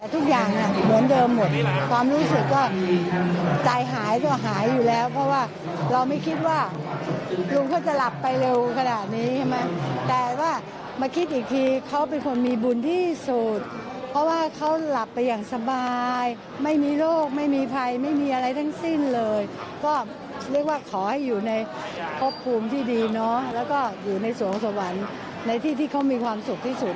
ตั้งแต่วันแรกที่อาเปี๊ยกได้ร่วมงานกันในปี๒๕๑๒ผ่านมา๕๐กว่าปีแต่พี่ชายคนนี้ยังน่ารักเสมอต้นเสมอต้นเสมอ